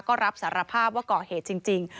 ก็รับสารภาพว่าก่อเหตุจริง